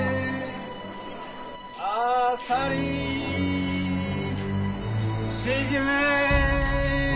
あさりしじみ。